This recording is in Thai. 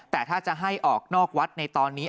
แต่ถ้าจะให้ออกนอกวัดในตอนนี้